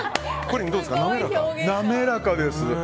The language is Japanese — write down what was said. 滑らかです。